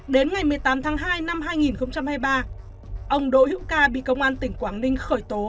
đến ngày một mươi tám tháng hai năm hai nghìn hai mươi ba ông đỗ hữu ca bị công an tỉnh quảng ninh khởi tố